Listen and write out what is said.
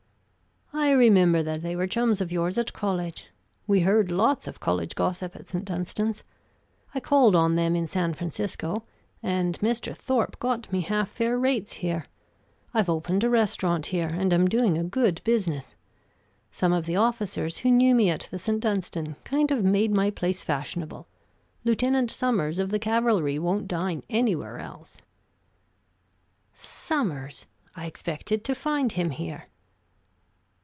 "I remember that they were chums of yours at college. We heard lots of college gossip at St. Dunstan's. I called on them in San Francisco, and Mr. Thorpe got me half fare rates here. I've opened a restaurant here, and am doing a good business. Some of the officers who knew me at the St. Dunstan kind of made my place fashionable. Lieutenant Sommers, of the cavalry, won't dine anywhere else." "Sommers? I expected to find him here."